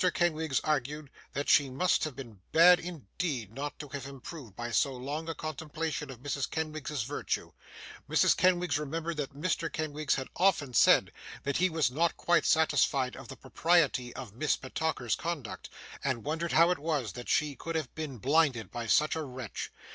Kenwigs argued that she must have been bad indeed not to have improved by so long a contemplation of Mrs. Kenwigs's virtue. Mrs. Kenwigs remembered that Mr. Kenwigs had often said that he was not quite satisfied of the propriety of Miss Petowker's conduct, and wondered how it was that she could have been blinded by such a wretch.